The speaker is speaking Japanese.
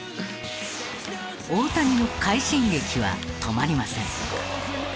大谷の快進撃は止まりません。